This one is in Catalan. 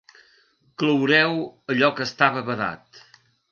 Cloureu allò que estava badat.